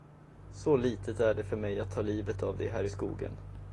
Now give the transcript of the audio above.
Så litet är det för mig att ta livet av dig här i skogen.